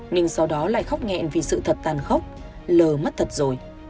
nhưng sau đó lại khóc nghẹn vì sự thật tàn khốc l mất thật rồi